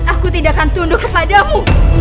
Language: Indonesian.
aku tidak akan tunduk kepadamu